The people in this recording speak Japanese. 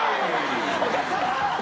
お客さま！